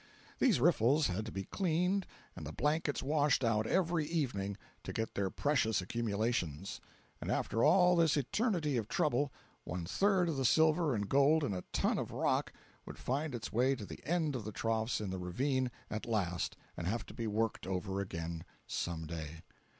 These riffles had to be cleaned and the blankets washed out every evening, to get their precious accumulations—and after all this eternity of trouble one third of the silver and gold in a ton of rock would find its way to the end of the troughs in the ravine at last and have to be worked over again some day.